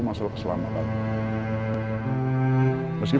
kita nggak pernah atau pelajaran seperti itu